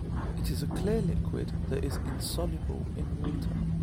It is a clear liquid that is insoluble in water.